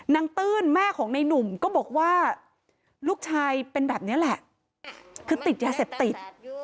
ตื้นแม่ของในหนุ่มก็บอกว่าลูกชายเป็นแบบนี้แหละคือติดยาเสพติด